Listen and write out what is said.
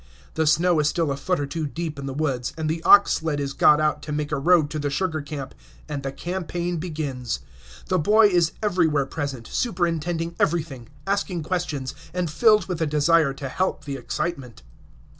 The snow is still a foot or two deep in the woods, and the ox sled is got out to make a road to the sugar camp, and the campaign begins. The boy is everywhere present, superintending everything, asking questions, and filled with a desire to help the excitement.